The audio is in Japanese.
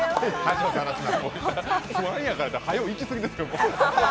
不安やからって、はよいきすぎですから。